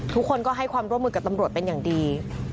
ทุกคนก็ให้ความร่วมมือกับตำรวจเป็นอย่างดี